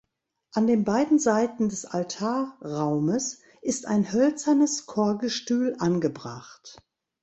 An den beiden Seiten des Altarraumes ist ein hölzernes Chorgestühl angebracht.